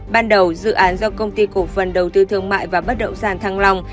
ban đầu dự án do công ty cổ phần đầu tư thương mại và bất động sản thăng long